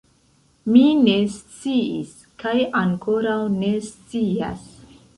Mi ne sciis kaj ankoraŭ ne scias.